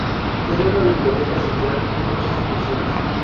Tiene una biblioteca central y muchas sucursales.